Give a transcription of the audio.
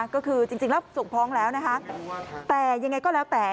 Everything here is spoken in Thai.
ก็คือจริงแล้วส่งฟ้องแล้วนะคะแต่ยังไงก็แล้วแต่